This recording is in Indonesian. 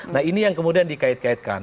nah ini yang kemudian dikait kaitkan